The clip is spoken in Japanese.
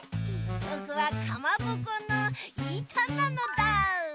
ぼくはかまぼこのいたなのだ。